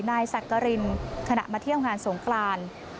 นายสักกรินขณะมาเที่ยวงานสงกราน